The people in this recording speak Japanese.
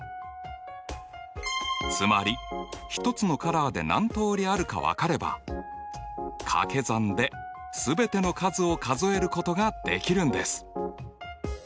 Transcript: つまり１つのカラーで何通りあるか分かれば掛け算で全ての数を数えることができるんです！